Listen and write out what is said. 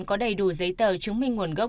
có đầy đủ giấy tờ chứng minh nguồn gốc